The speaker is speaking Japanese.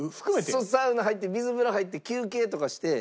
サウナ入って水風呂入って休憩とかして。